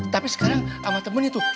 tapi sekarang sama temennya tuh